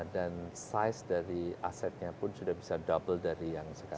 dan ukuran asetnya pun sudah bisa berdua dari yang sekarang